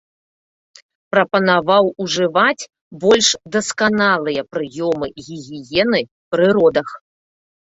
Прапанаваў ужываць больш дасканалыя прыёмы гігіены пры родах.